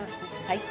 はい。